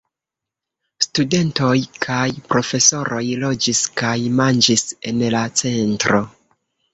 Studentoj kaj profesoroj loĝis kaj manĝis en la centro.